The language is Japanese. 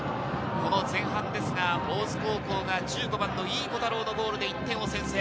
前半ですが大津高校が１５番の井伊虎太郎のゴールで１点を先制。